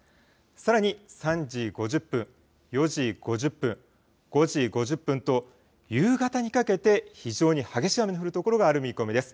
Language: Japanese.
さらに３時５０分、４時５０分、５時５０分と夕方にかけて非常に激しい雨の降る所がある見込みです。